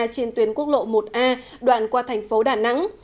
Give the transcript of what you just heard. trên tuyến quốc lộ một a đoạn qua thành phố đà nẵng